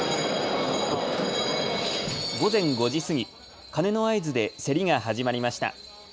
午前５時過ぎ、鐘の合図で競りが始まりました。